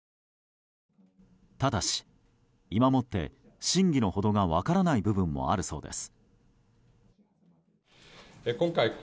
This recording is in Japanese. ただし、今もって真偽のほどが分からない部分もあるそうです。